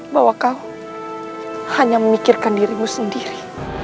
bahwa kau hanya memikirkan dirimu sendiri